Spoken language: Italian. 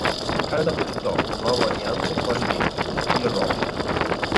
In Canada progettò un nuovo aliante quasi identico, il "Robin".